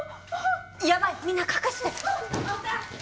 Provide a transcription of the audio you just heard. やばいみんな隠して！